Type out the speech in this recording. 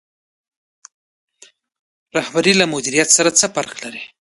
رهبري له مدیریت سره څه فرق لري؟